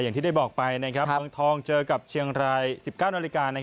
อย่างที่ได้บอกไปเมืองทองเจอกับเชียงราย๑๙นาฬิกา